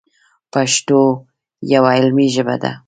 پښتو یوه علمي ژبه ده.